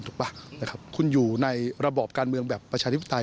ถูกปะคุณอยู่ในระบบการเมืองแบบประชาธิปไตย